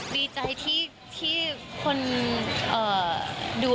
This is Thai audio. ดีใจที่คนดู